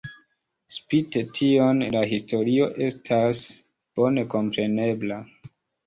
Spite tion la historio estas bone komprenebla.